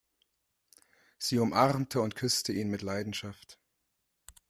Sie umarmte und küsste ihn mit Leidenschaft.